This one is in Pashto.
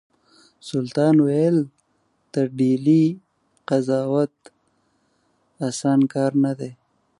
سلطان ویل د ډهلي قضاوت اسانه کار نه دی.